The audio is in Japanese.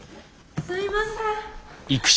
すいません。